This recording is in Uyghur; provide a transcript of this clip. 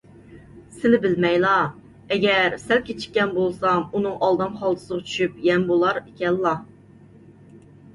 سىلى بىلمەيلا، ئەگەر سەل كېچىككەن بولسام، ئۇنىڭ ئالدام خالتىسىغا چۈشۈپ يەم بولار ئىكەنلا.